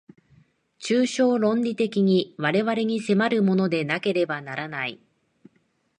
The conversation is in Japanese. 抽象論理的に我々に迫るものでなければならない。